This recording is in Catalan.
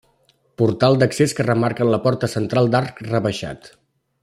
Portal d'accés que remarquen la porta central d'arc rebaixat.